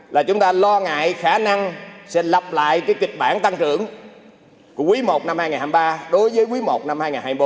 là chúng ta lo ngại khả năng sẽ lập lại cái kịch bản tăng trưởng của quý i năm hai nghìn hai mươi ba đối với quý i năm hai nghìn hai mươi bốn